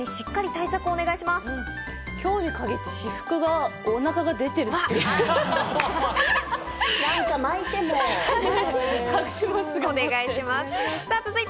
今日に限って私服がおなかが何か巻いて。